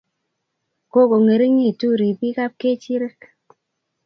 Kokongeringitu ribikap kechirek